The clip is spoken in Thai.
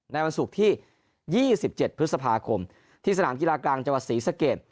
ในวันศุกร์ที่๒๗พฤษภาคมที่สนามกีฬากลางจังหวัดศรีสะเกด